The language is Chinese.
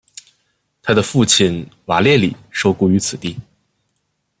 他的父亲瓦列里受雇于此地。